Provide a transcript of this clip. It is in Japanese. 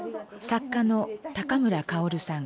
作家の村薫さん。